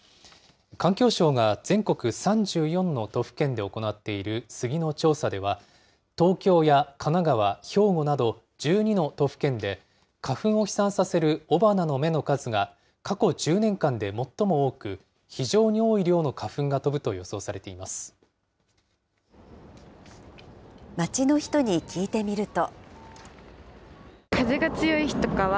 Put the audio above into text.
環境省が全国３４の都府県で行っているスギの調査では、東京や神奈川、兵庫など１２の都府県で、花粉を飛散させる雄花の芽の数が、過去１０年間で最も多く、非常に多い量の花粉が飛ぶと予想されて街の人に聞いてみると。